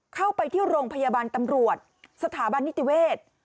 เข้าไปที่โรงพยาบาลตำรวจสถาบันนิติเวศ